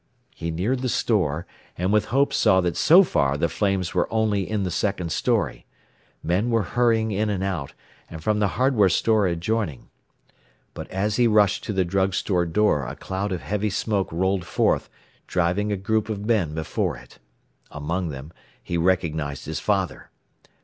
He neared the store, and with hope saw that so far the flames were only in the second story. Men were hurrying in and out, and from the hardware store adjoining. But as he rushed to the drug store door a cloud of heavy smoke rolled forth, driving a group of men before it. Among them he recognized his father.